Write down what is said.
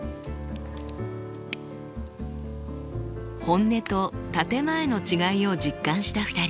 本音と建て前の違いを実感した２人。